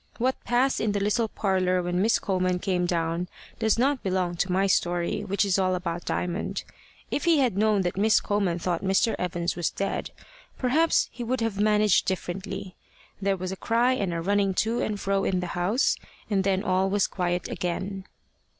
What passed in the little parlour when Miss Coleman came down does not belong to my story, which is all about Diamond. If he had known that Miss Coleman thought Mr. Evans was dead, perhaps he would have managed differently. There was a cry and a running to and fro in the house, and then all was quiet again.